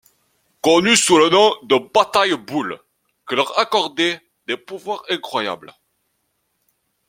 Connu sous le nom de bataille boules que leur accorder des pouvoirs incroyables.